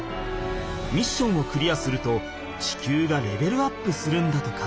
ミッションをクリアすると地球がレベルアップするんだとか。